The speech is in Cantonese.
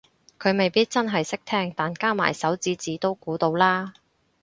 佢未必真係識聽但加埋手指指都估到啦